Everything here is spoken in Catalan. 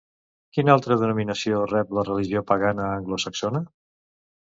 Quina altra denominació rep la religió pagana anglosaxona?